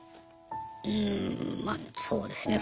うんまそうですね。